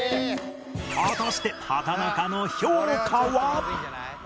果たして畠中の評価は？